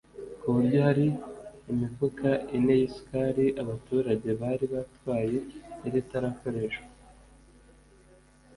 ku buryo hari imifuka ine y’isukari abaturage bari batwaye yari itarakoreshwa